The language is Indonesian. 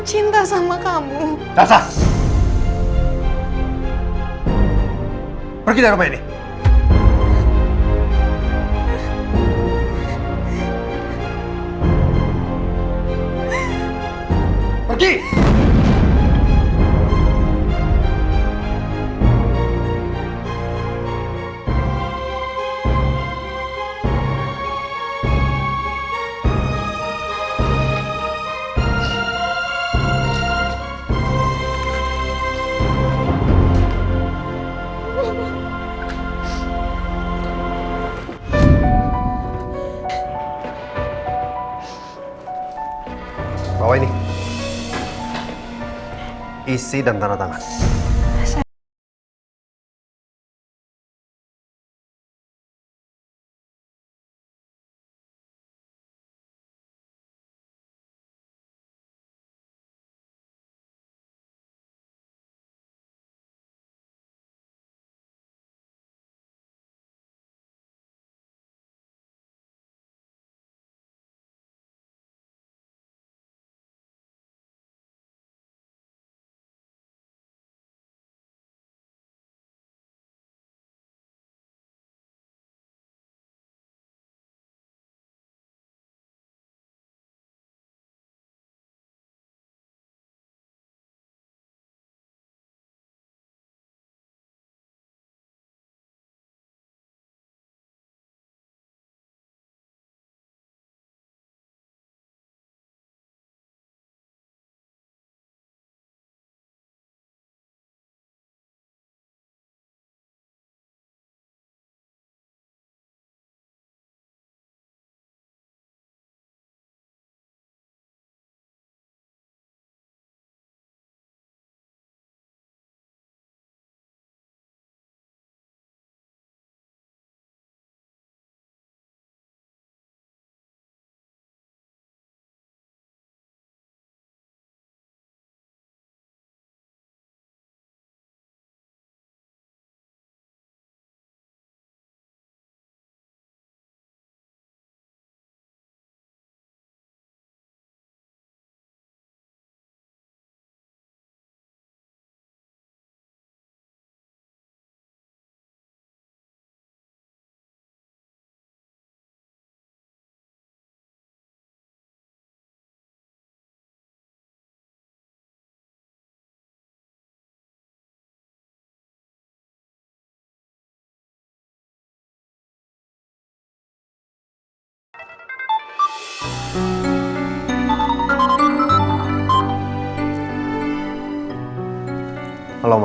jangan suruh aku pergi sayang